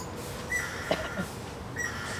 Hemen berriz, alaiagoak.